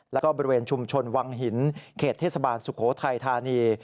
แล้วก็บริเวณชุมชนวังหินเขตเทศบาลสุโขทัยธานี